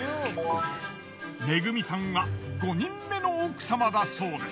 恵さんは５人目の奥様だそうです。